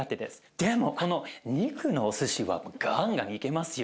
でもこの肉のおすしはガンガンいけますよ。